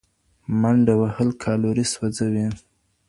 منډه وهل کالوري سوځوي.